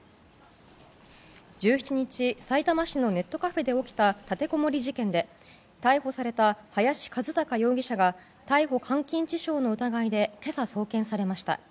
１７日、さいたま市のネットカフェで起きた立てこもり事件で逮捕された林一貴容疑者が逮捕監禁致傷の疑いで今朝、送検されました。